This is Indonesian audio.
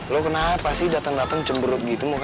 lo kenapa sih dateng dateng cemberut gitu mukanya